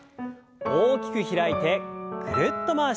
大きく開いてぐるっと回します。